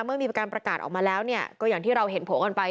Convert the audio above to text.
เมื่อมีการประกาศออกมาแล้วเนี่ยก็อย่างที่เราเห็นโผล่กันไป